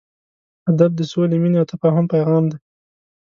ادب د سولې، مینې او تفاهم پیغام دی.